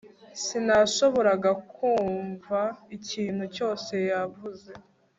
Sinashoboraga kumva ikintu cyose yavuze